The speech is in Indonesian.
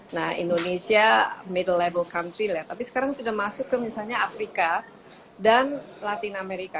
nah indonesia middle level country lah tapi sekarang sudah masuk ke misalnya afrika dan latin amerika